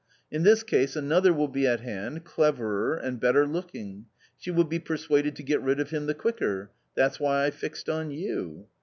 In this case another will be at hand, cleverer and better looking ; she will be persuaded to get rid of him the quicker. That's why I fixed on you."